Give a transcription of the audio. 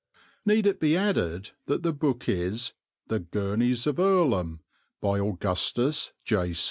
Need it be added that the book is The Gurneys of Earlham, by Augustus J.